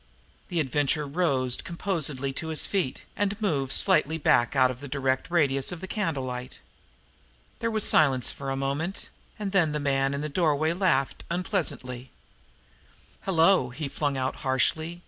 The Adventurer rose composedly to his feet and moved slightly back out of the direct radius of the candlelight. There was silence for a moment, and then the man in the doorway laughed unpleasantly. "Hello!" he flung out harshly.